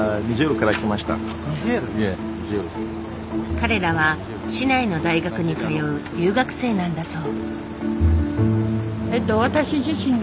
彼らは市内の大学に通う留学生なんだそう。